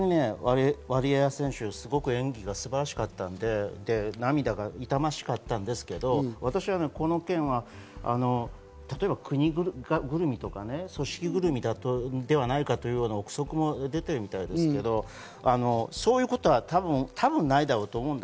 ワリエワ選手は演技がすごく素晴らしかったので、涙が痛ましかったんですけれども、私はこの件、例えば国ぐるみとか組織ぐるみではないかという憶測も出ているみたいですけど、そういうことは多分ないだろうと。